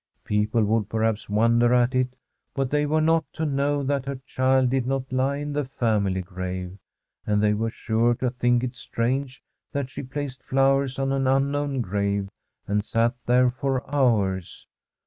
People would perhaps won der at it; but they were not to know that her child did not lie in the family grave; and they were sure to think it strange that she placed flow ers on an unknown grave and sat there for hours.